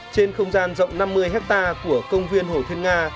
trên không gian rộng năm mươi hectare của công viên hồ thiên nga